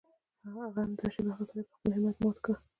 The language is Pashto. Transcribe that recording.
هغې همدا شېبه هغه سړی په خپل همت مات کړ.